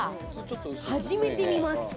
初めて見ます。